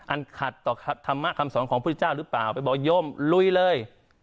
อันขัดต่อธรรมะคำสอนของพุทธเจ้าหรือเปล่าไปบอกโยมลุยเลย